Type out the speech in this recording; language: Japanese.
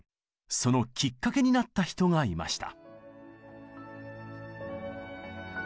そのきっかけになった人がいました。